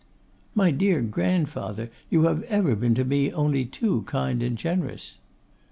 'My dear grandfather, you have ever been to me only too kind and generous.